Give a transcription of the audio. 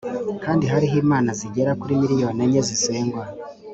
kandi hariho imana zigera kuri miriyoni enye zisengwa.